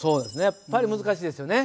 やっぱり難しいですよね。